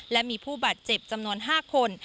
และมีผู้บาดเจ็บจำนวน๕คน